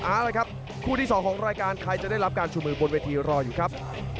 เอาละครับคู่ที่๒ของรายการใครจะได้รับการชูมือบนเวทีรออยู่ครับ